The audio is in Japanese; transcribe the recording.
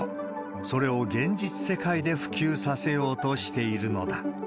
それを現実世界で普及させようとしているのだ。